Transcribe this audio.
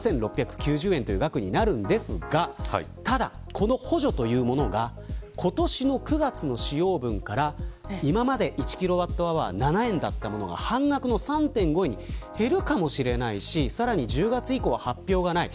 この補助というものが今年の９月の使用分から今まで１キロワットアワー７円だったものが半額の３．５円に減るかもしれないし、さらに１０月以降は発表がない。